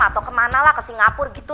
atau ke mana lah ke singapura gitu